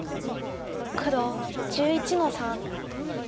黒１１の三。